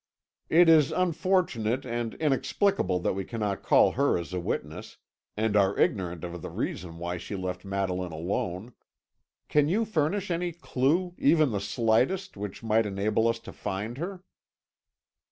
"It is unfortunate and inexplicable that we cannot call her as a witness, and are ignorant of the reason why she left Madeline alone. Can you furnish any clue, even the slightest, which might enable us to find her?"